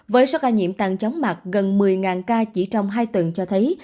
với số ca nhiễm tăng chóng mặt gần một mươi ca chỉ trong hai tuần cho thấy